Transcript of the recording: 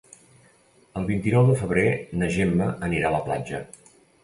El vint-i-nou de febrer na Gemma anirà a la platja.